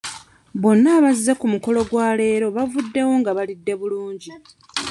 Bonna abazze ku mukolo gw'olwaleero baavuddewo nga balidde bulungi.